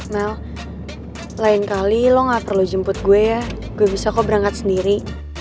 mel lain kali lo gak perlu jemput gue ya gue bisa kok berangkat sendiri